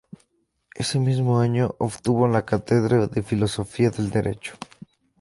Ese mismo año obtuvo la cátedra de Filosofía del Derecho.